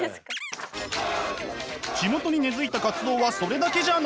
地元に根づいた活動はそれだけじゃないんです。